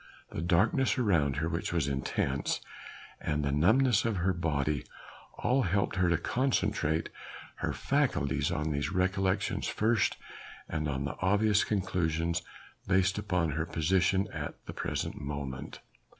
The darkness around her, which was intense, and the numbness of her body all helped her to concentrate her faculties on these recollections first and on the obvious conclusions based upon her position at the present moment.